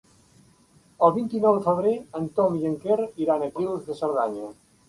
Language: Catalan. El vint-i-nou de febrer en Tom i en Quer iran a Guils de Cerdanya.